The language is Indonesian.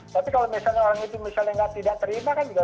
tapi kalau orang itu tidak terima